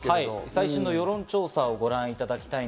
最新の世論調査をご覧ください。